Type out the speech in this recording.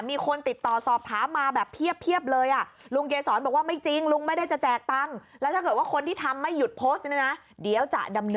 มีคนติดต่อสอบถามมาแบบเพียบเลยอ่ะ